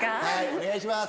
お願いします。